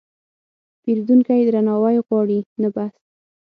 پیرودونکی درناوی غواړي، نه بحث.